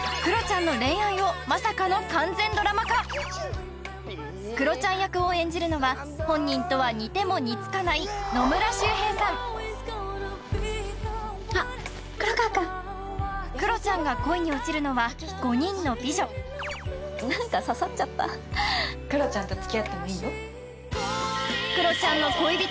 まさかのクロちゃん役を演じるのは本人とは似ても似つかない野村周平さんあっ黒川君クロちゃんが恋に落ちるのは５人の美女なんか刺さっちゃったクロちゃんとつきあってもいいよ